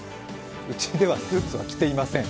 うちではスーツは着ていません。